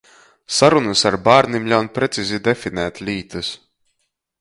Sarunys ar bārnim ļaun precizi definēt lītys.